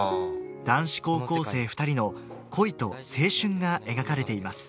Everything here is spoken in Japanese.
男子高校生２人の恋と青春が描かれています